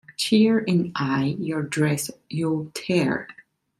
Tear in eye your dress you'll tear.